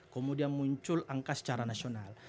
kemudian muncul angka secara nasional